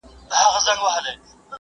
زه له سهاره تمرين کوم،